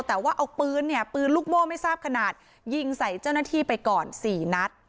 แต่ว่าเอาปืนเนี่ยปืนลูกโม่ไม่ทราบขนาดยิงใส่เจ้าหน้าที่ไปก่อน๔นัด